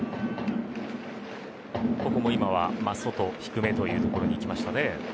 ここも今は外低めという所にいきましたね。